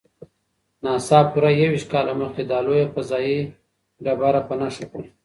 ناسا پوره یوویشت کاله مخکې دا لویه فضايي ډبره په نښه کړه.